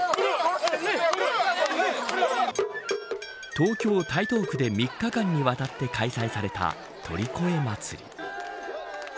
東京、台東区で３日間にわたって開催された鳥越祭。